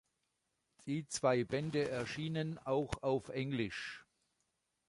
Die zwei Bände erschienen auch auf Englisch.